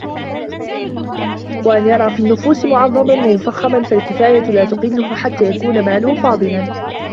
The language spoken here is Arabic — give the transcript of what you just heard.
وَأَنْ يُرَى فِي النُّفُوسِ مُعَظَّمًا وَمُفَخَّمًا فَالْكِفَايَةُ لَا تُقِلُّهُ حَتَّى يَكُونَ مَالُهُ فَاضِلًا